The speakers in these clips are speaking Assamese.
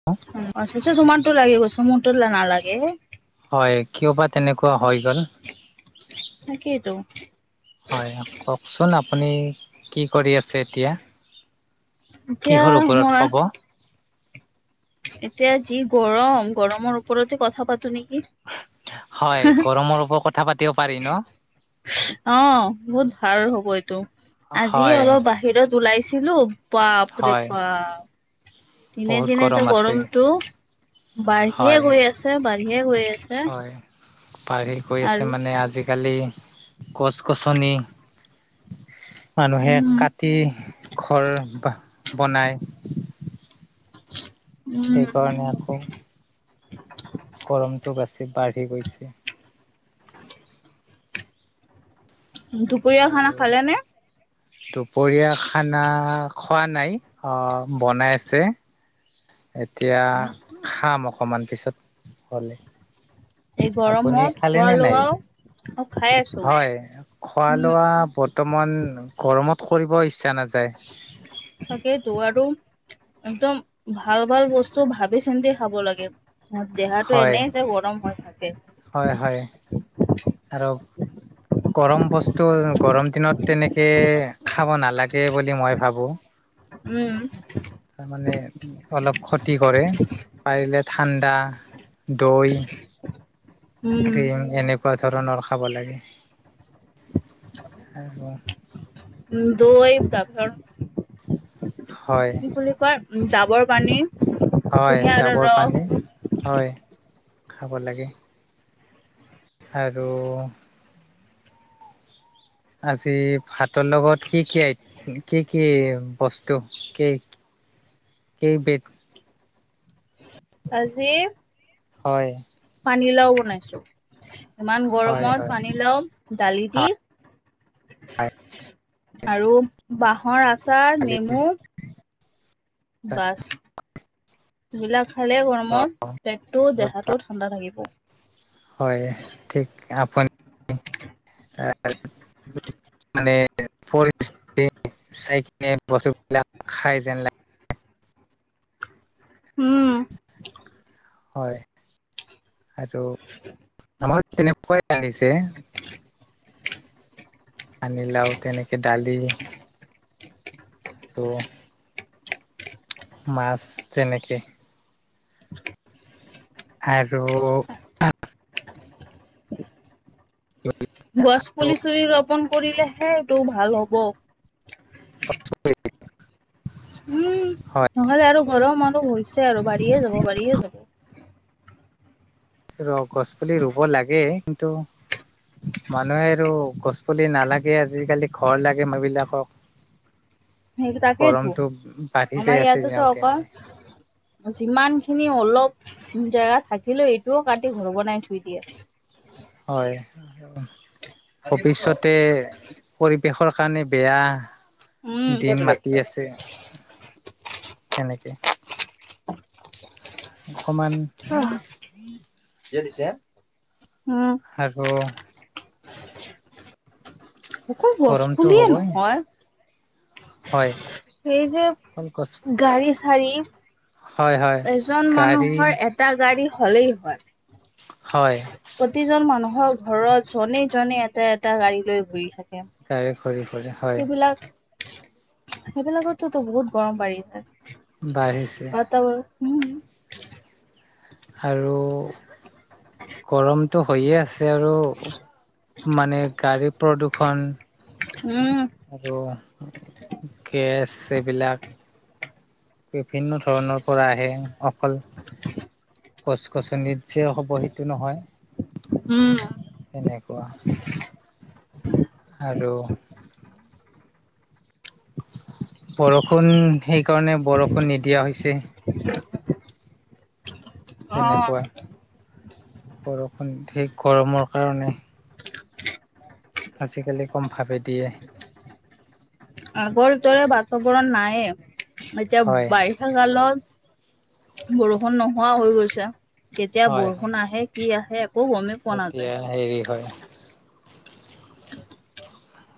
[unintelligible] [unintelligible] লাগি গৈছে মোৰটো নালাগে। হয়, কিয় বা তেনেকুৱা হৈ গ'ল। তাকেইটো হয়, হয়। কওঁকচোন আপুনি কি কৰি আছে এতিয়া? এতিয়া কিহৰ ওপৰত মই ক'ব? এতিয়া যি গৰম, গৰমৰ ওপৰতে কথা পাতো নেকি? হয়, গৰমৰ ওপৰত কথা পাতিব পাৰি ন? অ, বহুত ভাল হ'ব এইটো, আজি হয় অলপ বাহিৰত ওলাইছিলো বাপৰে হয় বাপ। দিনে বহুত দিনে যে গৰম আছে গৰমটো বাঢ়িয়ে হয় গৈ আছে বাঢ়িয়ে গৈ আছে হয় বাঢ়ি গৈ আছে আৰু মানে আজি-কালি গছ-গছনি মানুহে উম কাটি ঘৰ বনাই। উম সেইকাৰণে আকৌ গৰমটো বেছি বাঢ়ি গৈছে। দুপৰীয়া খানা আৰু [unintelligible] খালেনে দুপৰীয়া খানা খোৱা নাই, অ' বনাই আছে। এতিয়া খাম, অকণমান পিছত হ'লে। এই আপুনি গৰমত খালে খোৱা নে নাই? লোৱাও অ খাই আছো হয়, খোৱা উম লোৱা ব বৰ্তমান গৰমত কৰিব ইচ্ছা নাযায়। তাকেইটো, আৰু একদম ভাল ভাল বস্তু ভাবি চিন্তি খাব লাগে। দেহাটো হয়, এনেই যে গৰম হয়। হয় হয় আৰু গৰম বস্তু গৰম দিনত তেনেকে খাব নালাগে বুলি মই ভাবোঁ। উম, তাৰমানে অলপ ক্ষতি কৰে, পাৰিলে ঠাণ্ডা দৈ উম ক্ৰীম এনেক কোৱা ধৰণৰ খাব লাগে আৰু দৈ চাছৰ হয়, কি বুলি কয় ডাবৰ পানী হয় কুঁহিয়াৰৰ ডাবৰ ৰস পানী হয় খাব লাগে। আৰু আজি ভাতৰ লগত কি কি কি কি বস্তু। কি কেই বেগ আজি হয়। পানীলাও বনাইছো। ইমান হয় গৰমত হয় পানীলাও দালি দি আৰু বাঁহৰ আচাৰ, নেমু বাছ, এইবিলাক খালে গৰমত পেটটো দেহাটোত ঠাণ্ডা থাকিব। হয় ঠিক আপনি [inaudible] [inaudible] বস্তু বিলাক খাই যেন লে উম। হয়। আৰু আমাৰ কেনেকৈ আহিছে পানী লাও তেনে দালি আৰু মাছ তেনেকে। আৰু গছ পুলি চুলি ৰোপন কৰিলেহে এইটো ভাল হ'ব। উম হয় নহলে আৰু গৰম আৰুহ হৈছে আৰু বাঢ়িয়ে যাব, বাঢ়িয়ে যাব। ৰ গছ পুলি ৰুব লাগে কিন্তু মানুহে আৰু গছ পুলি নালাগে আজিকালি ঘৰ লাগে মানুহবিলাকক। [unintelligible] সেই তাকেইেতো, গৰমটো বাঢ়ি যাই আমাৰ আছে ইয়াতো দিনক [inaudible] দিনে অকল যিমান খিনি অলপ জেগা থাকিলেও এইটোও কাটি ঘৰ বনাই থৈ দিয়ে। হয়। ভৱিষ্যতে পৰিৱেশৰ কাৰণে বেয়া। দিন মাতি উম, আছে তেনেকে। [unintelligible] অকমান [inaudible] যে তেতিয়া, উম। আৰু অকল গছ গৰমটো পুলিয়ে হ'বই নহয় হয় সেই যে অকল গছ গাড়ী চাৰি হয় হয় এজন গাড়ী মানুহৰ এটা হলেই হয়। হয়। প্ৰতিজন মানুহৰ ঘৰত জনে, জনে এটা, এটা গাড়ী লৈ ঘুৰি থাকে। গাড়ী ঘূৰি ঘূৰি হয় সেইবিলাক সেই বিলাকততো বহুত গৰম বাঢ়ি আছে বাঢ়িছে বাতৰ উম, আৰু গৰমটো হৈয়ে আছে আৰু। মানে গাড়ী প্ৰদূষণ উম, আৰু কেছ এইবিলাক বিভিন্ন ধৰণৰ পৰা আহে অকল। গছ-গছনিত যে হ'ব সেইটো নহয় সেনেকুৱা আৰু বৰষুণ সেইকাৰণে বৰষুণ নিদিয়া হৈছে। অ তেনেকুৱা বৰষুণ ধেই গৰমৰ কাৰণে। আজিকালি কমভাৱে দিয়ে। আগৰ দৰে বাতাবৰণ নাইয়ে এতিয়া বাৰি হয় বাৰিষা কালত বৰষুণ নোহোৱা হৈ গৈছে কেতিয়া হয় হয় বৰষুণ আহে। কি আহে একো গমেই পোৱা নাযায়। এতিয়া হেৰি হয়।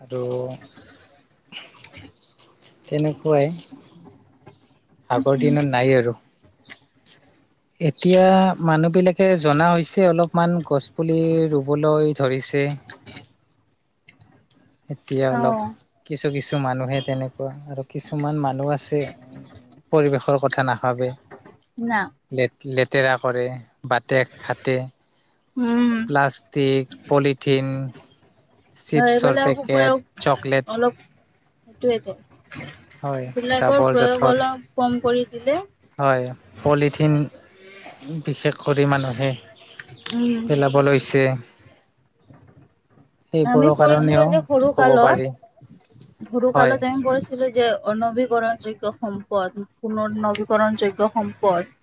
আৰু তেনেকুৱাই আগৰ দিনত নাই আৰু। এতিয়া মানুহ বিলাকে জনা হৈছে অলপমান গছ পুলি ৰুবলৈ ধৰিছে। এতিয়া অ অলপ কিছু, কিছু মানুহে তেনেকুৱা আৰু কিছুমান মানুহ আছে। পৰিৱেশৰ কথা নাভাবে। না। লে লেতেৰা কৰে বাটে ঘাতে। উম, পিলাষ্টিক পলিথিন। চিপছৰ এইবিলাক পেকেট উপৰিও চকলেট অলপ সেইটোৱেই ত হয় সেইবিলাকৰ জাবৰ প্ৰয়োগ জোথৰ অলপ কম কৰি দিলে। হয় পলিথিন বিশেষ কৰি মানুহে উম, বল হৈছে। আমি পঢ়িছিলো কাৰণেও এ যে সৰু ক'ব পাৰি কালত সৰু হয় কালত আমি পঢ়ি ছিলো যে অনৱীকৰণ যোগ্য সম্পদ পুননৱীকৰণ যোগ্য সম্পদ।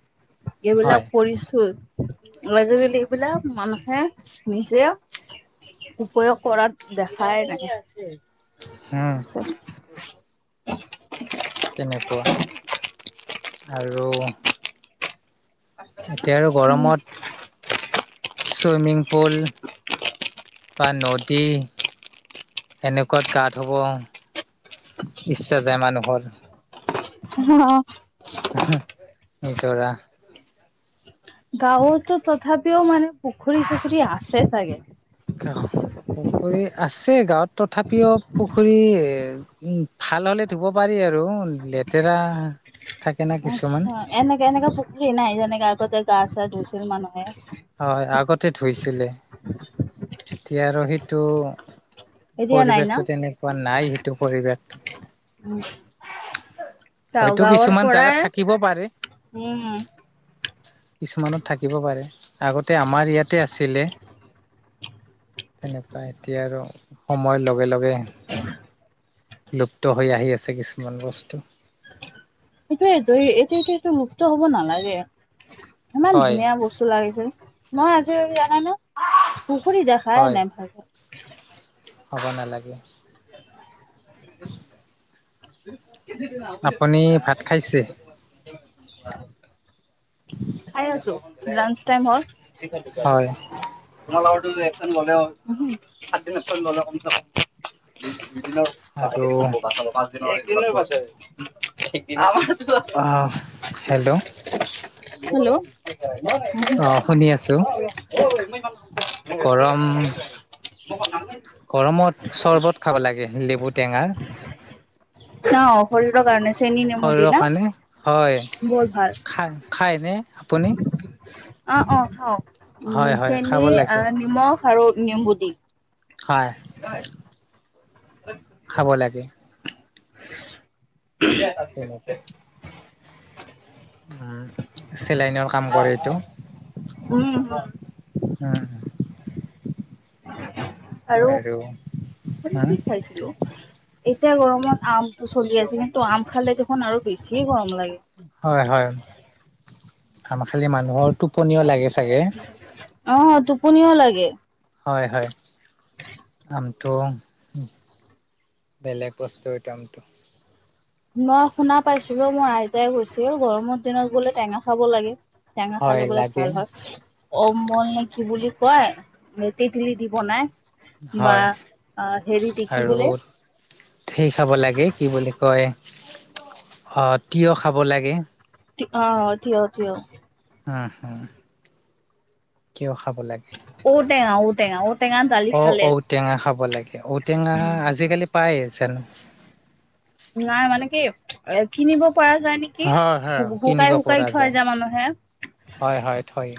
এইবিলাক হয় পঢ়িছো। আজিকালি এইবিলাক মানুহে নিজে প্ৰয়োগ কৰাত দেখাই নাই আছে। উম [inaudible] তেনেকুৱা আৰু এতিয়া আৰু গৰমত ছুইমিং পুল বা নদী। এনেকুৱাত গা ধুব ইচ্ছা যায় মানুহৰ। অ', নিজৰা। গাঁওতো তথাপিও মানে পুখুৰী চুখুৰী আছে চাগে। পুখুৰী আছে গাঁওত তথাপিও পুখুৰী উম, ভাল হ'লে ধুব পাৰি আৰু, লেতেৰা থাকে না কিছুমান। আহ, এনেকা এনেকা পুখুৰী নাই যেনেকে আগতে গা চা ধুইছিল মানুহে। অ', আগতে ধুইছিলে, এতিয়া আৰু সেইটো এতিয়া নাই না পৰিবেশটো তেনেকুৱা নাই, সেইটো পৰিবেশ। উম। গাঁও হয়তো গাঁওৰ কিছুমান পৰা, জাগাত থাকিব পাৰে উম। কিছুমানত থাকিব পাৰে, আগতে আমাৰ ইয়াতে আছিলে তেনেকুৱা এতিয়া আৰু, সময়ৰ লগে লগে লুপ্ত হৈ আহি আছে কিছুমান বস্তু। সেইটোয়েটো এইটো এতিয়াটো মুক্ত হ'ব নালাগে। ইমান হয় ধুনীয়া বস্তু লাগিছিল, মই আজিলৈ দিয়া নাই ন। পুখুৰী দেখাই হয় নাই ভাল। হ'ব নালাগে। আপুনি ভাত খাইছে? [unintelligible] খাই আছো, লাঞ্চ টাইম হ'ল। হয় তোমাৰ লগৰটো যে একচন ল'লেও, সাতদিন একচন ল'লে কমছে কম। আৰু [unintelligible] আহ, হেল্ল'। [inaudible] হেল্ল'। অ', শুনি আছো। গৰম [unintelligible] গৰমত চৰ্বত খাব লাগে লেমু টেঙাৰ। অ', শৰীৰৰ কাৰণে চেনি নেমু দি শৰীৰৰ না কাৰণে, হয়, বহুত ভাল খাই খায়নে, আপুনি? অ', অ', খাওঁ উম, হয় হয় খাব চেনি, লাগে নিমখ আৰু নেমুদি। হয়। হয়। [inaudible] খাব লাগে। [inaudible] তেনেকে উম, চেলাইনৰ কাম কৰে এইটো। উম। উম। আৰু, উম কি খাইছিলো। এতিয়া গৰমত আমটো চলি আছে, কিন্তু আম খালে দেখোন আৰু বেছি গৰম লাগে। হয় হয়, আম খালে মানুহৰ টোপনিও লাগে চাগে। অ', টোপনিও লাগে। হয়, হয়। আমটো, বেলেগ বস্তুৰ আমটো। মই শুনা পাইছিলো, মোৰ আইতাই কৈছিল, গৰমৰ দিনত বোলে টেঙা খাব লাগে। টেঙা হয় খালে বোলে লাগে ভাল হয়। অ মই কি বুলি কয় তেতিলি দি বনাই। বা হয় হেৰি আৰু দেখিবলে। [unintelligible] খাব লাগে কি বুলি কয় অ তিয়ঁহ খাব লাগে। অ তিয়হ তিয়হ। উম হো তিয়হ খাব লাগ ঔ-টেঙা ঔ-টেঙা ঔ অ ঔ-টেঙা খাব লাগে ঔ-টেঙা আজিকালি পাই জানোঁ নাই মানে কি এ কিনিব পৰা যায় নেকি হয় হয় কিনিব শুকাই পৰা শুকাই থয় যায় যে মানুহে। হয় হয় থয়।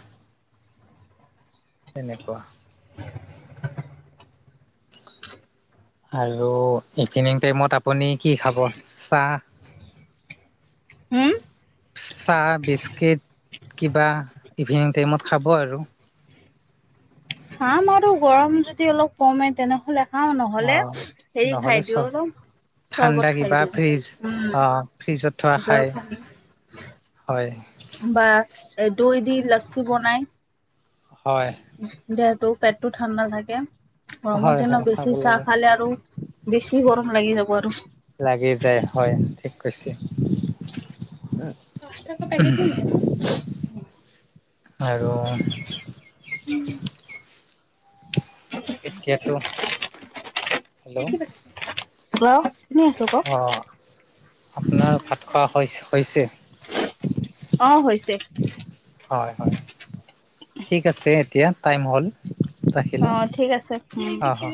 তেনেকুৱা। [inaudible] আৰু ইভিনিং টাইমত আপুনি কি খাব চাহ? হোম চাহ বিস্কিট কিবা ইভিনিং টাইমত খাব আৰু খাম আৰু গৰম যদি অলপ কমে তেনেহ'লে খাওঁ অ নহ'লে হেৰি নহ'লে খাই চ দিওঁ ন ঠাণ্ডা কিবা ফ্ৰিজ অ ফ্ৰিজত থোৱা নিজৰ খাই পানী হয় বা এ দৈ দি লচ্চি বনাই হয় দেহটো পেটটো ঠাণ্ডা থাকে গৰমৰ হয় হয় দিনত খাব বেছি চাহ লাগে খালে আৰু বেছি গৰম লাগি যাব আৰু লাগি যায় হয় ঠিক কৈছে [unintelligible] উম পাচ টকা পেকেট নে এইটো আৰু এতিয়াতো হেল্ল' হেল্ল শুনি আছো কওক অ আপোনাৰ ভাত খোৱা হৈছ হৈছে অ হৈছে। হয় হয় ঠিক আছে এতিয়া টাইম হ'ল অ ৰাখিলোঁ ঠিক আছে উম অ অ